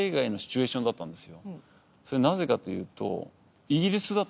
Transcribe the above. なぜかというと。